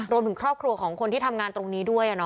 รวมถึงครอบครัวของคนที่ทำงานตรงนี้ด้วย